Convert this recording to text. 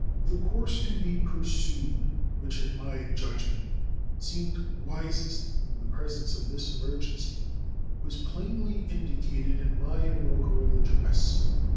The course to be pursued, which, in my judgment, seemed wisest in the presence of this emergency, was plainly indicated in my inaugural address.